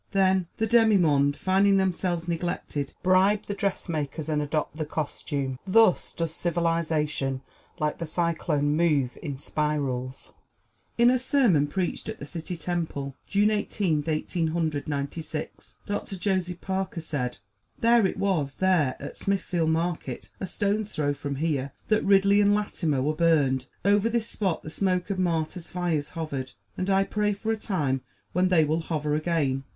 Then the demi monde, finding themselves neglected, bribe the dressmakers and adopt the costume. Thus does civilization, like the cyclone, move in spirals. In a sermon preached at the City Temple, June Eighteenth, Eighteen Hundred Ninety six, Doctor Joseph Parker said: "There it was there! at Smithfield Market, a stone's throw from here, that Ridley and Latimer were burned. Over this spot the smoke of martyr fires hovered. And I pray for a time when they will hover again.